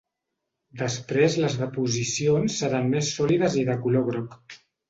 Després les deposicions seran més sòlides i de color groc.